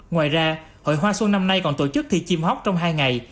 ngoài ra hội hoa xuân năm nay còn tổ chức thi chim hóc trong hai ngày